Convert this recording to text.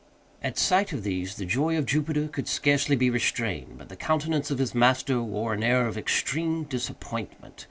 At sight of these the joy of Jupiter could scarcely be restrained, but the countenance of his master wore an air of extreme disappointment.